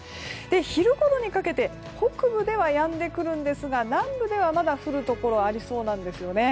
昼頃にかけて北部ではやんでくるんですが南部ではまだ降るところがありそうなんですよね。